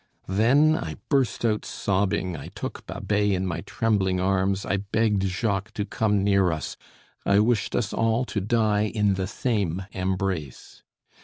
Then, I burst out sobbing, I took Babet in my trembling arms, I begged Jacques to come near us. I wished us all to die in the same embrace.